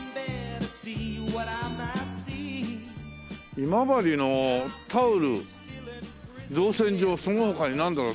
今治のタオル造船所その他になんだろう？